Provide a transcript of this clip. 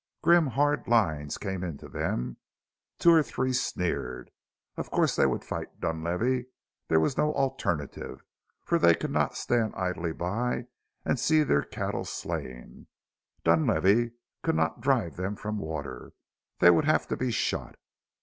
Grim, hard lines came into them; two or three sneered. Of course they would fight Dunlavey; there was no alternative, for they could not stand idly by and see their cattle slain Dunlavey could not drive them from water, they would have to be shot.